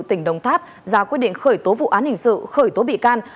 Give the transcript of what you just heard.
tỉnh đồng tháp ra quyết định khởi tố vụ án hình sự khởi tố bị can